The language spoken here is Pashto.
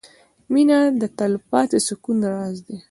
• مینه د تلپاتې سکون راز دی.